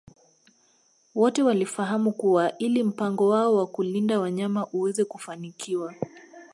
Wote walifahamu kuwa ili mpango wao wa kulinda wanyama uweze kufanikiwa